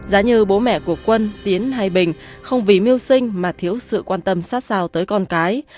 giá như bố mẹ của quân tiến hai bình không vì miêu sinh mà thiếu sự quan tâm sát sao tới con cái